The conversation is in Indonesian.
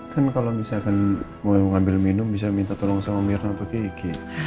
kan kalau misalkan mau ambil minum bisa minta tolong sama mirna atau kiki